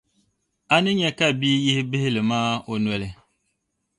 a ni nya ka bia yihi bihili maa o noli.